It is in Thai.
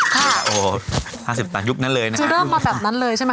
ค่ะโอ้โหห้าสิบแปดยุคนั้นเลยนะคือเริ่มมาแบบนั้นเลยใช่ไหม